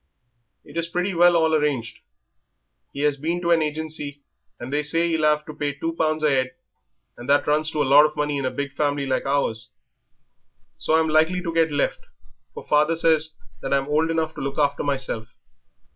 It is pretty well all arranged; he has been to an agency and they say he'll 'ave to pay two pounds a 'ead, and that runs to a lot of money in a big family like ours. So I'm likely to get left, for father says that I'm old enough to look after myself.